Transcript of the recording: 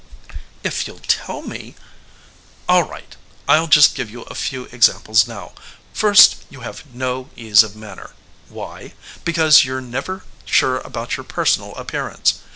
"If you'll tell me " "All right I'll just give you a few examples now. First you have no ease of manner. Why? Because you're never sure about your personal appearance.